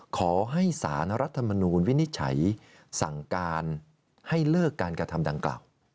ขอให้สารรัฐมนูลวินิจฉัยสั่งการให้เลิกการกระทำดังกล่าว